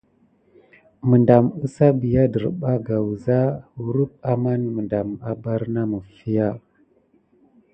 Medam əza bià derbaka wuza kurump amanz medam a bar na mifiya.